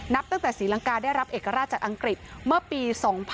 นับตั้งแต่ศรีลังกาได้รับเอกราชจากอังกฤษเมื่อปี๒๕๖๒